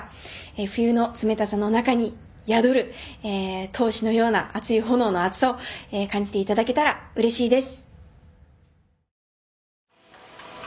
冬の冷たさの中に宿る闘志のような熱い炎の熱さを感じていただけたらうれしいです。